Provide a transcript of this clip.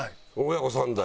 親子３代。